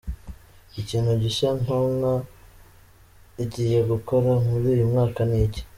Ikintu gishya Konka igiye gukora muri uyu mwaka ni iki ?